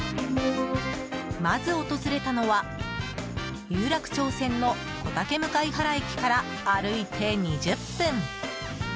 まず訪れたのは有楽町線の小竹向原駅から歩いて２０分。